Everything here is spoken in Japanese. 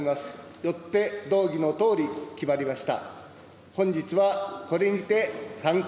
よって、動議のとおり、決まりました。